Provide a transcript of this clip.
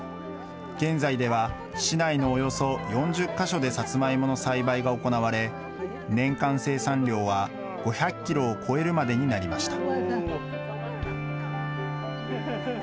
現在では、市内のおよそ４０か所でサツマイモの栽培が行われ、年間生産量は、５００キロを超えるまでになりました。